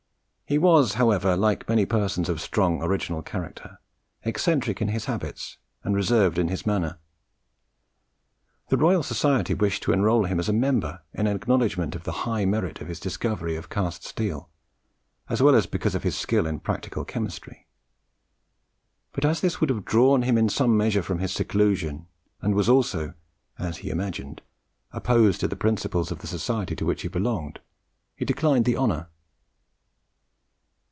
He was, however, like many persons of strong original character, eccentric in his habits and reserved in his manner. The Royal Society wished to enrol him as a member in acknowledgment of the high merit of his discovery of cast steel, as well as because of his skill in practical chemistry; but as this would have drawn him in some measure from his seclusion, and was also, as he imagined, opposed to the principles of the Society to which he belonged, he declined the honour.